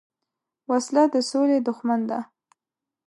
وسله د سولې دښمن ده